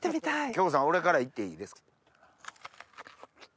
京子さん俺から行っていいですか？